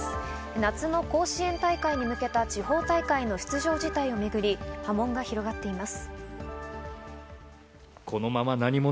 夏の甲子園大会に向けた地方大会の出場辞退をめぐり波紋が広がっています